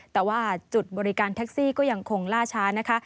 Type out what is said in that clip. แต่ว่าจุดบริการแท็กซี่ก็ยังคงล่าช้านะคะ